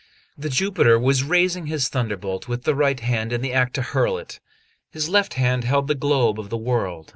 The Jupiter was raising his thunderbolt with the right hand in the act to hurl it; his left hand held the globe of the world.